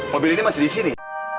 mobil ini masih disini